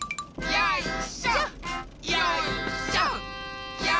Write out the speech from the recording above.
よいしょ！